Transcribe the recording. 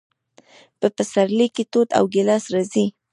په پسرلي کې توت او ګیلاس راځي.